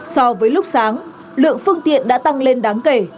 so với lúc sáng lượng phương tiện đã tăng lên đáng kể